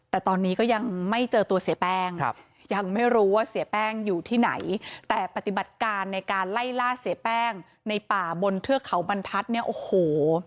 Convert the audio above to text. แต่ตอนนี้ก็ยังไม่เจอตัวเสียแป้งยังไม่รู้ว่าเสียแป้งอยู่ที่ไหนแต่ปฏิบัติการในการไล่ล่าเสียแป้งในป่าบนเทือกเขาบรรทัศน์เนี่ยโอ้โห